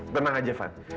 tenang aja van